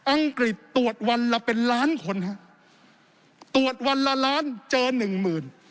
อังกฤษตรวจวันละเป็นล้านคนฮะตรวจวันละล้านเจอหนึ่งหมื่น